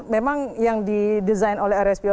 memang yang didesain oleh rspo